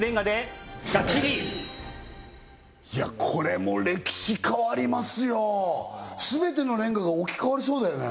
いやこれも歴史変わりますよすべてのレンガが置き換わりそうだよね